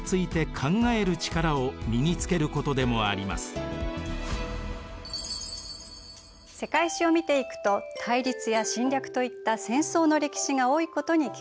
その際世界史を見ていくと対立や侵略といった戦争の歴史が多いことに気付きます。